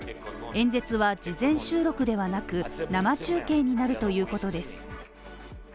演説は事前収録ではなく生中継になるということです。